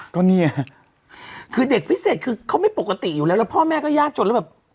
ก็เนี่ยคือเด็กพิเศษคือเขาไม่ปกติอยู่แล้วแล้วพ่อแม่ก็ยากจนแล้วแบบ